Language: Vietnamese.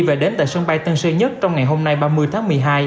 và đến tại sân bay tân sơn nhất trong ngày hôm nay ba mươi tháng một mươi hai